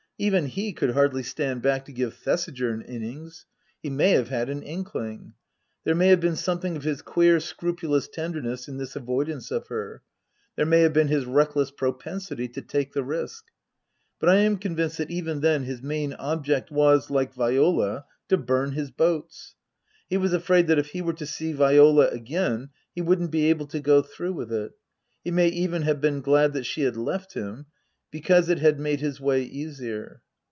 Even he could hardly stand back to give Thesiger an innings. He may have had an inkling. There may have been something of his queer, scrupulous tenderness in this avoidance of her ; there may have been his reckless propensity to take the risk ; but I am convinced that even then his main object was like Viola to burn his boats. He was afraid that if he were to see Viola again he wouldn't be able to go through with it. He may even have been glad that she had left him, because it had made his way easier.